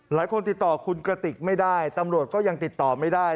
หลายคนติดต่อคุณกระติกไม่ได้ตำรวจก็ยังติดต่อไม่ได้